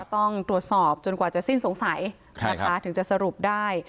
ต้องตรวจสอบจนกว่าจะสิ้นสงสัยนะคะถึงจะสรุปได้